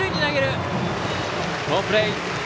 好プレー！